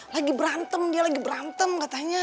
lagi berantem dia lagi berantem katanya